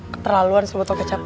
keterlaluan sebotol kecap